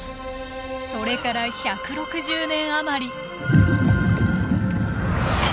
それから１６０年余り。